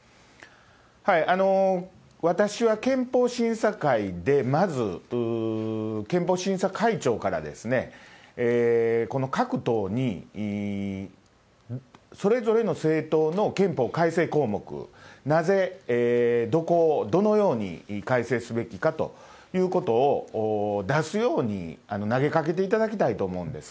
私は憲法審査会で、まず憲法審査会長から、各党にそれぞれの政党の憲法改正項目、なぜ、どこを、どのように改正すべきかということを出すように投げかけていただきたいと思うんです。